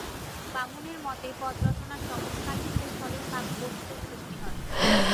বামনের মতে, পদরচনার চমৎকারিত্বের ফলেই কাব্যত্বের সৃষ্টি হয়।